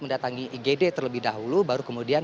mendatangi igd terlebih dahulu baru kemudian